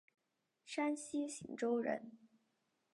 山西忻州人。